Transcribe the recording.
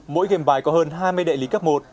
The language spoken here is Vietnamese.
mỗi gam bài có hơn hai mươi đại lý cấp một